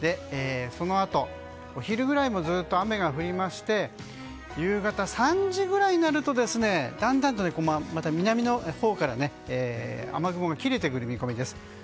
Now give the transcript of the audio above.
そのあとお昼ぐらいもずっと雨が降りまして夕方３時ぐらいになるとだんだんと南のほうから雨雲がくる見込みです。